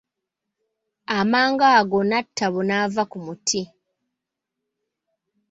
Amangu ago Natabo naava ku muti.